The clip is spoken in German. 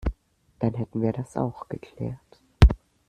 Dann hätten wir das auch geklärt.